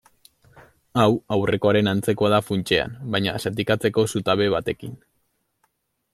Hau aurrekoaren antzekoa da funtsean, baina zatikatzeko zutabe batekin.